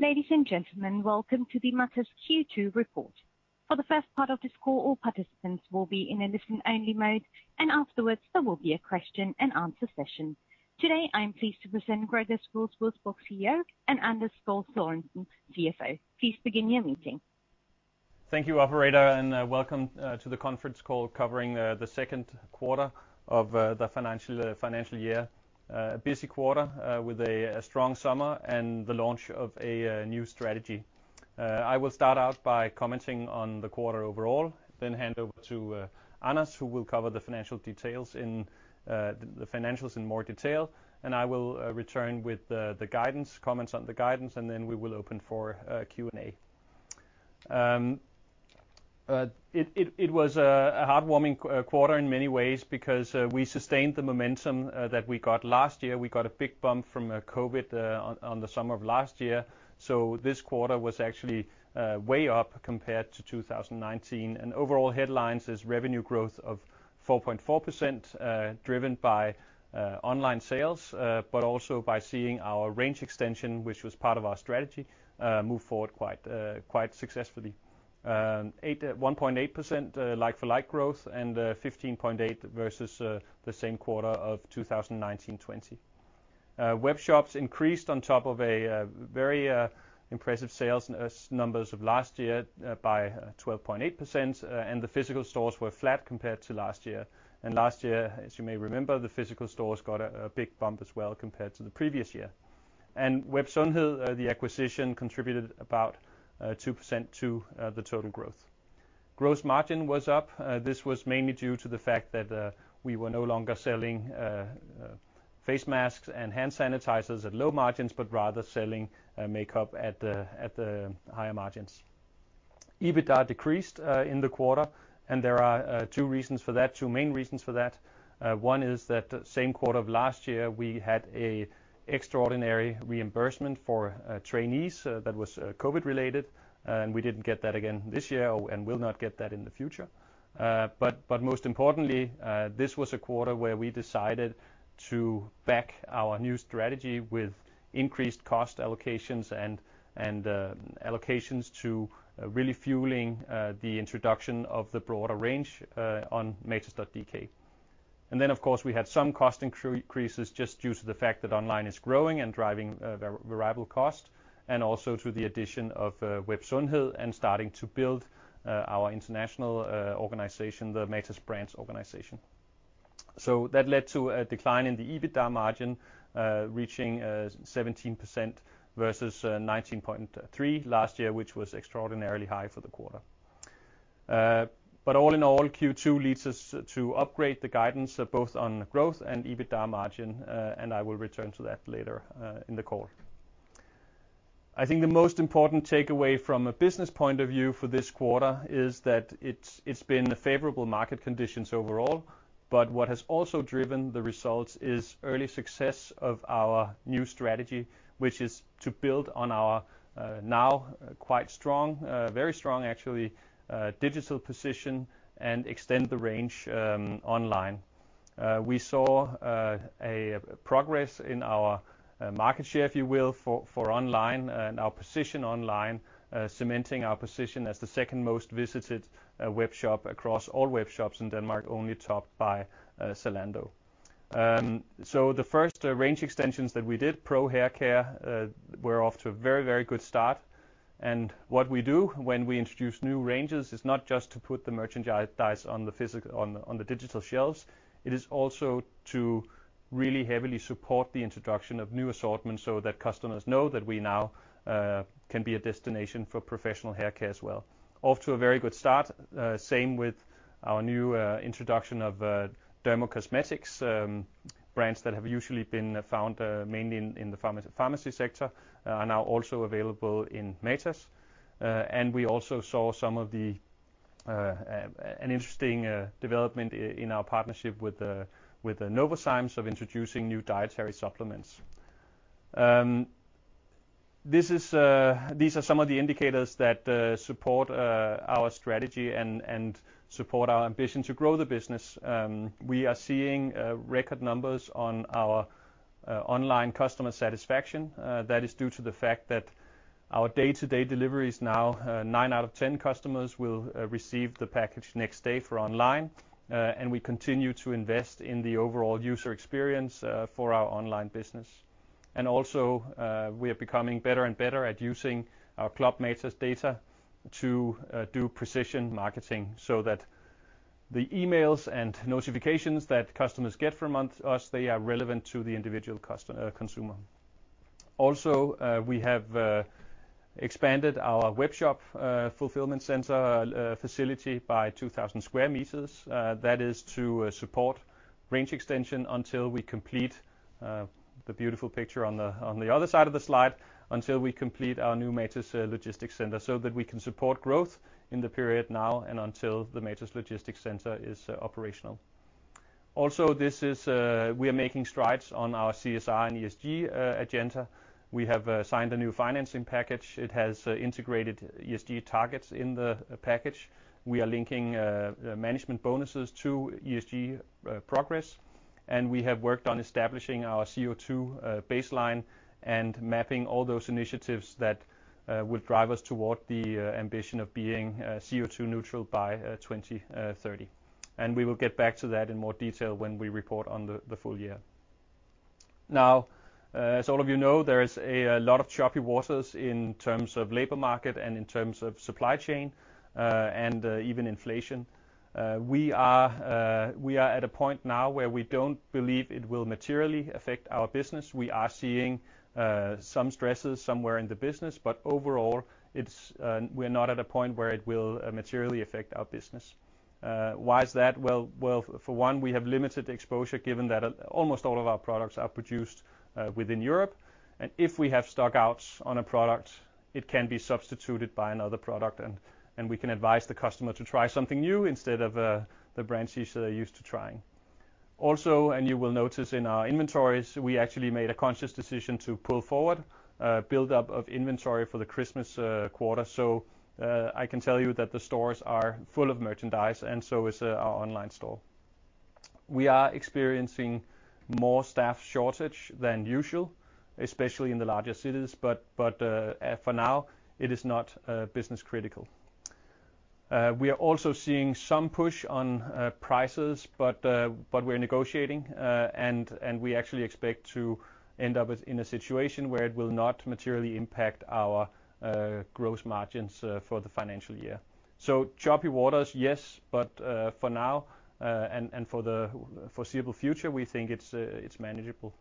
Ladies and gentlemen, welcome to the Matas Q2 report. For the first part of this call, all participants will be in a listen-only mode, and afterwards there will be a question and answer session. Today, I am pleased to present Gregers Wedell-Wedellsborg, Group CEO, and Anders Skole-Sørensen, Chief Financial Officer. Please begin your meeting. Thank you, operator, and welcome to the conference call covering the second quarter of the financial year. A busy quarter with a strong summer and the launch of a new strategy. I will start out by commenting on the quarter overall, then hand over to Anders, who will cover the financials in more detail. I will return with the guidance, comments on the guidance, and then we will open for Q&A. It was a heartwarming quarter in many ways because we sustained the momentum that we got last year. We got a big bump from COVID on the summer of last year, so this quarter was actually way up compared to 2019. Overall headlines is revenue growth of 4.4%, driven by online sales, but also by seeing our range extension, which was part of our strategy, move forward quite successfully. 1.8% like-for-like growth and 15.8% versus the same quarter of 2019-2020. Web shops increased on top of a very impressive sales numbers of last year by 12.8%, and the physical stores were flat compared to last year. Last year, as you may remember, the physical stores got a big bump as well compared to the previous year. Web Sundhed, the acquisition contributed about 2% to the total growth. Gross margin was up. This was mainly due to the fact that we were no longer selling face masks and hand sanitizers at low margins, but rather selling makeup at the higher margins. EBITDA decreased in the quarter, and there are two main reasons for that. One is that in the same quarter of last year, we had an extraordinary reimbursement for trainees that was COVID related, and we didn't get that again this year and will not get that in the future. Most importantly, this was a quarter where we decided to back our new strategy with increased cost allocations and allocations to really fuel the introduction of the broader range on matas.dk. Of course, we had some cost increases just due to the fact that online is growing and driving variable cost, and also through the addition of Web Sundhed and starting to build our international organization, the Matas brand organization. That led to a decline in the EBITDA margin, reaching 17% versus 19.3% last year, which was extraordinarily high for the quarter. All in all, Q2 leads us to upgrade the guidance both on growth and EBITDA margin, and I will return to that later in the call. I think the most important takeaway from a business point of view for this quarter is that it's been favorable market conditions overall. What has also driven the results is early success of our new strategy, which is to build on our now quite strong, very strong actually, digital position and extend the range online. We saw a progress in our market share, if you will, for online and our position online, cementing our position as the second most visited web shop across all web shops in Denmark, only topped by Zalando. The first range extensions that we did, Pro Hair Care, were off to a very, very good start. What we do when we introduce new ranges is not just to put the merchandise on the digital shelves, it is also to really heavily support the introduction of new assortments so that customers know that we now can be a destination for professional haircare as well. Off to a very good start. Same with our new introduction of dermacosmetics. Brands that have usually been found mainly in the pharmacy sector are now also available in Matas. We also saw some of an interesting development in our partnership with Novozymes of introducing new dietary supplements. These are some of the indicators that support our strategy and support our ambition to grow the business. We are seeing record numbers on our online customer satisfaction. That is due to the fact that our day-to-day delivery is now nine out of ten customers will receive the package next day for online. We continue to invest in the overall user experience for our online business. We are becoming better and better at using our Club Matas data to do precision marketing so that the emails and notifications that customers get from us, they are relevant to the individual customer consumer. We have expanded our webshop fulfillment center facility by 2,000 sq m. That is to support range extension until we complete the beautiful picture on the other side of the slide, until we complete our new Matas Logistics Center, so that we can support growth in the period now and until the Matas Logistics Center is operational. Also, we are making strides on our CSR and ESG agenda. We have signed a new financing package. It has integrated ESG targets in the package. We are linking management bonuses to ESG progress. We have worked on establishing our CO2 baseline and mapping all those initiatives that will drive us toward the ambition of being CO2 neutral by 2030. We will get back to that in more detail when we report on the full year. Now, as all of you know, there is a lot of choppy waters in terms of labor market and in terms of supply chain, and even inflation. We are at a point now where we don't believe it will materially affect our business. We are seeing some stresses somewhere in the business, but overall, it's, we're not at a point where it will materially affect our business. Why is that? Well, for one, we have limited exposure given that almost all of our products are produced within Europe, and if we have stock outs on a product, it can be substituted by another product, and we can advise the customer to try something new instead of the brands each they're used to trying. You will notice in our inventories, we actually made a conscious decision to pull forward build up of inventory for the Christmas quarter. I can tell you that the stores are full of merchandise and so is our online store. We are experiencing more staff shortage than usual, especially in the larger cities, but for now, it is not business critical. We are also seeing some push on prices, but we're negotiating and we actually expect to end up with in a situation where it will not materially impact our gross margins for the financial year. Choppy waters, yes, but for now and for the foreseeable future, we think it's manageable.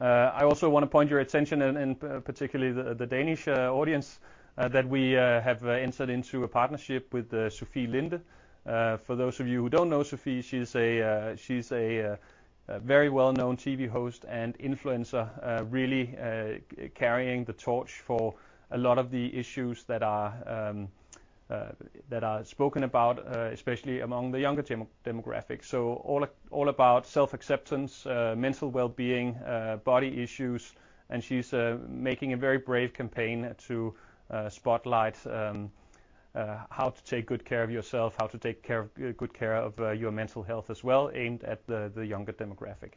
I also wanna point your attention and particularly the Danish audience that we have entered into a partnership with Sofie Linde. For those of you who don't know Sofie, she's a very well-known TV host and influencer, really carrying the torch for a lot of the issues that are spoken about, especially among the younger demographic, all about self-acceptance, mental well-being, body issues, and she's making a very brave campaign to spotlight how to take good care of yourself, how to take good care of your mental health as well, aimed at the younger demographic.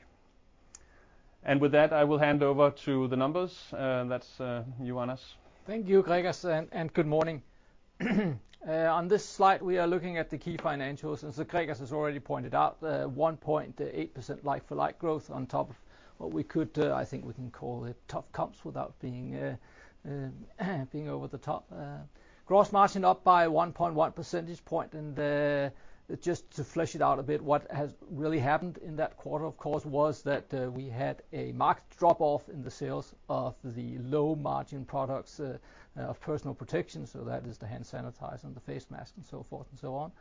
With that, I will hand over to the numbers. That's Anders. Thank you, Gregers, and good morning. On this slide, we are looking at the key financials. As Gregers has already pointed out, the 1.8% like-for-like growth on top of what we could, I think we can call it tough comps without being over the top. Gross margin up by 1.1% point. Just to flesh it out a bit, what has really happened in that quarter, of course, was that, we had a marked drop off in the sales of the low-margin products, of personal protection, so that is the hand sanitizer and the face mask and so forth and so on.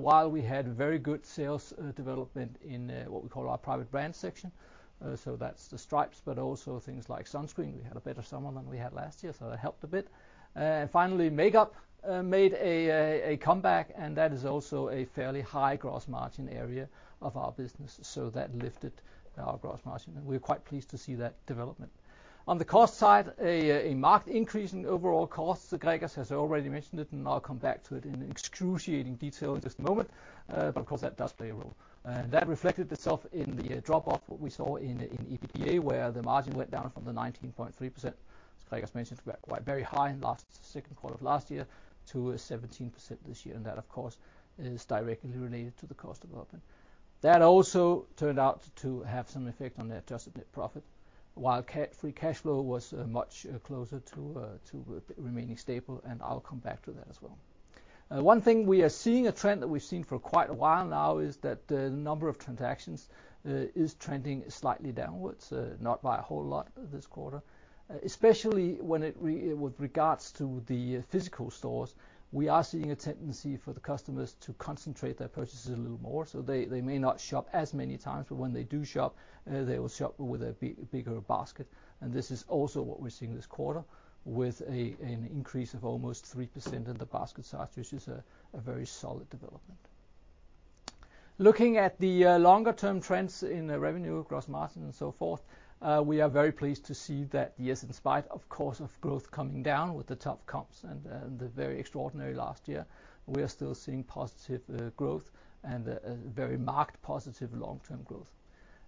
While we had very good sales development in what we call our private brand section, so that's the Striberne, but also things like sunscreen. We had a better summer than we had last year, so that helped a bit. Finally, makeup made a comeback, and that is also a fairly high gross margin area of our business, so that lifted our gross margin, and we're quite pleased to see that development. On the cost side, a marked increase in overall costs. Gregers has already mentioned it, and I'll come back to it in excruciating detail in just a moment, but of course, that does play a role. That reflected itself in the drop-off we saw in EBITDA, where the margin went down from the 19.3%, as Gregers mentioned, quite very high in last second quarter of last year to a 17% this year, and that of course is directly related to the cost development. That also turned out to have some effect on the adjusted net profit. While CapEx-free cash flow was much closer to remaining stable, and I'll come back to that as well. One thing we are seeing, a trend that we've seen for quite a while now, is that the number of transactions is trending slightly downwards, not by a whole lot this quarter. Especially with regards to the physical stores, we are seeing a tendency for the customers to concentrate their purchases a little more. They may not shop as many times, but when they do shop, they will shop with a bigger basket. This is also what we're seeing this quarter with an increase of almost 3% in the basket size, which is a very solid development. Looking at the longer-term trends in revenue, gross margin, and so forth, we are very pleased to see that, yes, in spite of course, growth coming down with the tough comps and the very extraordinary last year, we are still seeing positive growth and a very marked positive long-term growth.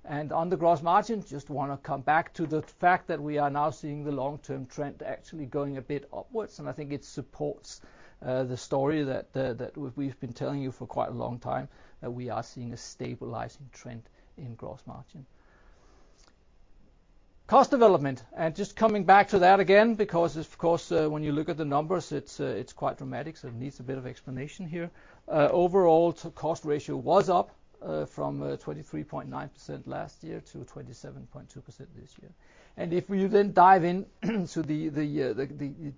On the gross margin, just wanna come back to the fact that we are now seeing the long-term trend actually going a bit upwards, and I think it supports the story that we've been telling you for quite a long time, that we are seeing a stabilizing trend in gross margin. Cost development. Just coming back to that again, because of course, when you look at the numbers, it's quite dramatic, so it needs a bit of explanation here. Overall cost ratio was up from 23.9% last year to 27.2% this year. If we then dive into the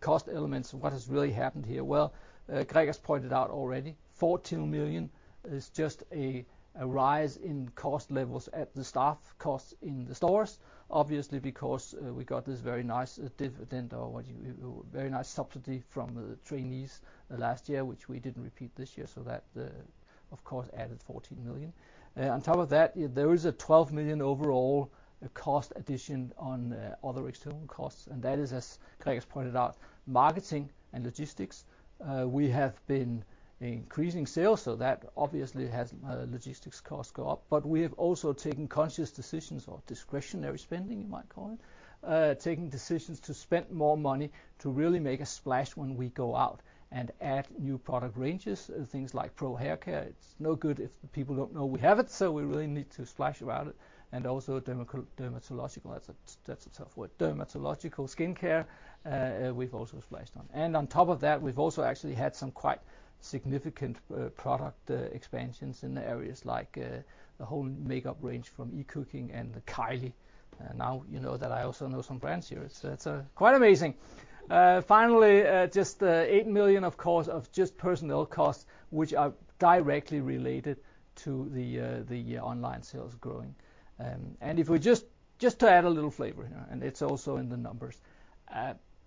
cost elements of what has really happened here, Greg has pointed out already 14 million is just a rise in cost levels at the staff costs in the stores, obviously because we got this very nice subsidy from the trainees last year, which we didn't repeat this year. That of course added 14 million. On top of that, there is a 12 million overall cost addition on other external costs, and that is, as Greg has pointed out, marketing and logistics. We have been increasing sales, so that obviously has logistics costs go up. We have also taken conscious decisions or discretionary spending, you might call it, taking decisions to spend more money to really make a splash when we go out and add new product ranges and things like Pro Hair Care. It's no good if people don't know we have it, so we really need to splash about it. Also, dermacosmetics, that's a tough word. Dermacosmetics, we've also splashed on. On top of that, we've also actually had some quite significant product expansions in areas like the whole makeup range from Ecooking and the Kylie. Now you know that I also know some brands here. It's quite amazing. Finally, just 8 million, of course, just personnel costs, which are directly related to the online sales growing. If we just. Just to add a little flavor here, and it's also in the numbers.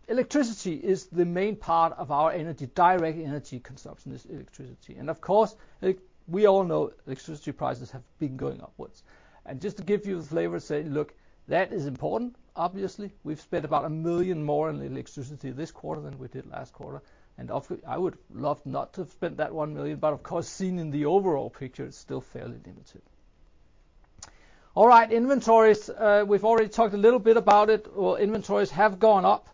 Electricity is the main part of our energy. Direct energy consumption is electricity. Of course, we all know electricity prices have been going upwards. Just to give you the flavor, say, look, that is important. Obviously, we've spent about 1 million more on electricity this quarter than we did last quarter. I would love not to have spent that 1 million, but of course, seen in the overall picture, it's still fairly limited. All right, inventories. We've already talked a little bit about it. Well, inventories have gone up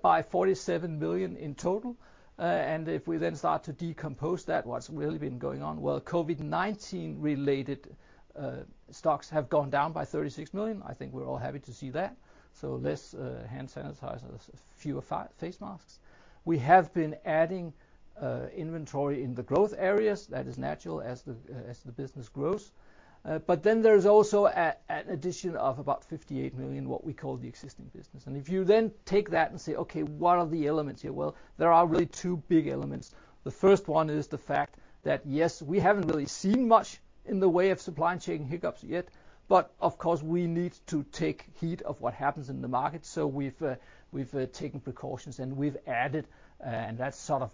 by 47 million in total. If we then start to decompose that, what's really been going on? Well, COVID-19 related stocks have gone down by 36 million. I think we're all happy to see that. Less hand sanitizers, fewer face masks. We have been adding inventory in the growth areas. That is natural as the business grows. But then there's also an addition of about 58 million, what we call the existing business. If you then take that and say, okay, what are the elements here? Well, there are really two big elements. The first one is the fact that, yes, we haven't really seen much in the way of supply chain hiccups yet, but of course, we need to take heed of what happens in the market. We've taken precautions, and we've added, and that's sort of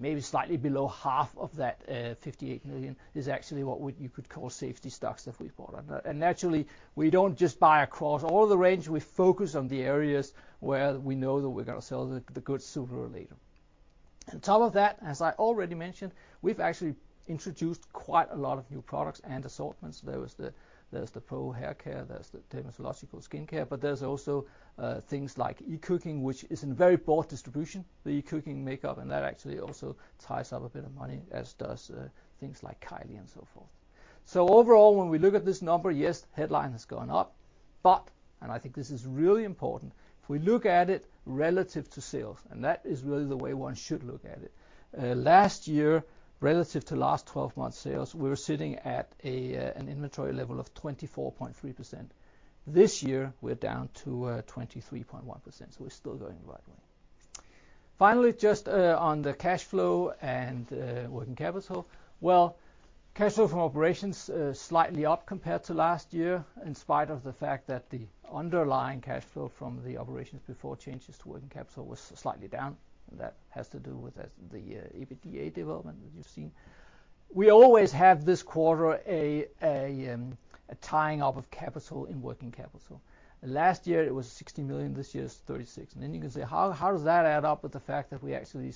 maybe slightly below half of that 58 million is actually what you could call safety stocks that we've bought. Naturally, we don't just buy across all the range. We focus on the areas where we know that we're gonna sell the goods sooner or later. On top of that, as I already mentioned, we've actually introduced quite a lot of new products and assortments. There's the Pro Hair Care, there's the dermacosmetics, but there's also things like Ecooking, which is in very broad distribution, the Ecooking makeup, and that actually also ties up a bit of money, as does things like Kylie and so forth. Overall, when we look at this number, yes, headline has gone up, but, and I think this is really important, if we look at it relative to sales, and that is really the way one should look at it. Last year, relative to last 12 months sales, we were sitting at an inventory level of 24.3%. This year, we're down to 23.1%. We're still going the right way. Finally, just on the cash flow and working capital. Well, cash flow from operations slightly up compared to last year, in spite of the fact that the underlying cash flow from the operations before changes to working capital was slightly down. That has to do with the EBITDA development that you've seen. We always have this quarter a tying up of capital in working capital. Last year it was 60 million, this year it's 36 million. Then you can say, how does that add up with the fact that we actually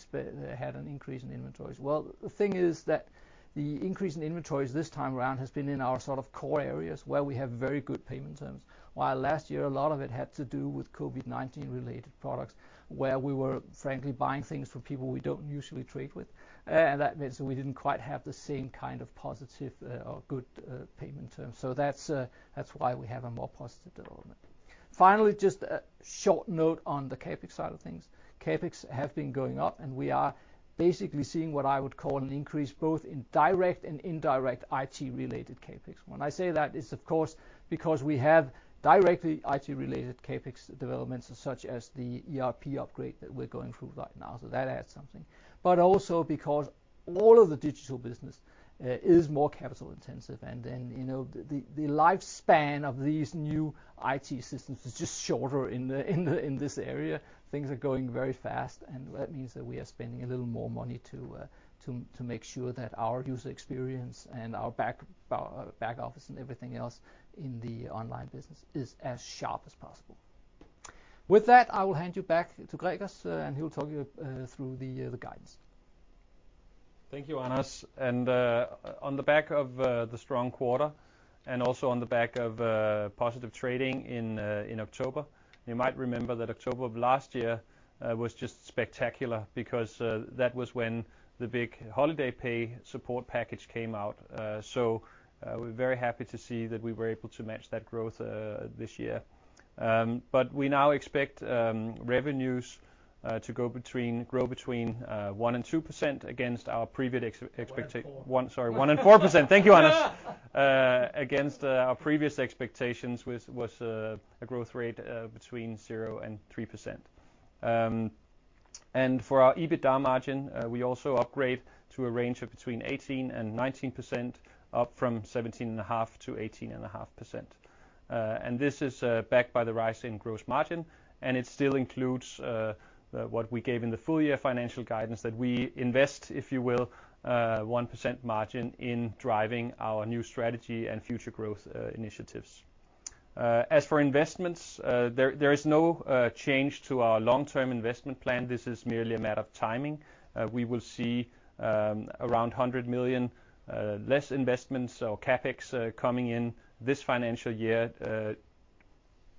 had an increase in inventories? Well, the thing is that the increase in inventories this time around has been in our sort of core areas where we have very good payment terms. While last year, a lot of it had to do with COVID-19 related products where we were, frankly, buying things from people we don't usually trade with. And that meant we didn't quite have the same kind of positive or good payment terms. That's why we have a more positive development. Finally, just a short note on the CapEx side of things. CapEx have been going up, and we are basically seeing what I would call an increase both in direct and indirect IT related CapEx. When I say that, it's of course because we have directly IT related CapEx developments such as the ERP upgrade that we're going through right now, so that adds something. Also because all of the digital business is more capital intensive and then, you know, the lifespan of these new IT systems is just shorter in this area. Things are going very fast, and that means that we are spending a little more money to make sure that our user experience and our back office and everything else in the online business is as sharp as possible. With that, I will hand you back to Gregers, and he'll talk you through the guidance. Thank you, Anders. On the back of the strong quarter and also on the back of positive trading in October, you might remember that October of last year was just spectacular because that was when the big holiday pay support package came out. We're very happy to see that we were able to match that growth this year. We now expect revenues to grow between 1% and 2% against our previous expectations- 1 and 4. 1%-4%. Thank you, Anders. Against our previous expectations, which was a growth rate between 0%-3%. For our EBITDA margin, we also upgrade to a range of between 18%-19%, up from 17.5%-18.5%. This is backed by the rise in gross margin, and it still includes what we gave in the full year financial guidance that we invest, if you will, 1% margin in driving our new strategy and future growth initiatives. As for investments, there is no change to our long-term investment plan. This is merely a matter of timing. We will see around 100 million less investments or CapEx coming in this financial year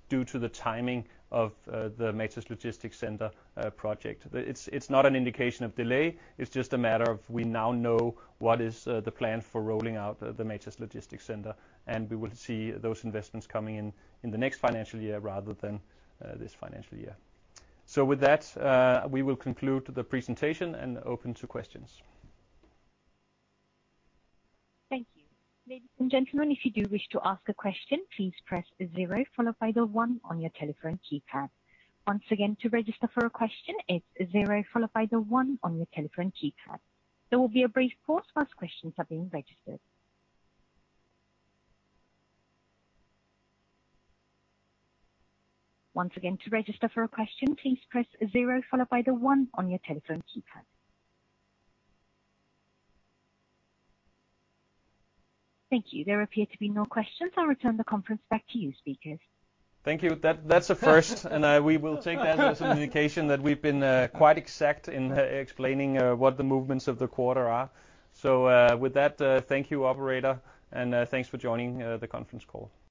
due to the timing of the Matas Logistics Center project. It's not an indication of delay, it's just a matter of we now know what is the plan for rolling out the Matas Logistics Center, and we will see those investments coming in in the next financial year rather than this financial year. With that, we will conclude the presentation and open to questions. Thank you. Ladies and gentlemen, if you do wish to ask a question, please press zero followed by the one on your telephone keypad. Once again, to register for a question, it's zero followed by the one on your telephone keypad. There will be a brief pause whilst questions are being registered. Once again, to register for a question, please press zero followed by the one on your telephone keypad. Thank you. There appear to be no questions. I'll return the conference back to you speakers. Thank you. That's a first. We will take that as an indication that we've been quite exact in explaining what the movements of the quarter are. With that, thank you, operator, and thanks for joining the conference call.